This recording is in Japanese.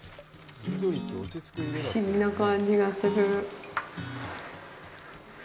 不思議な感じがする。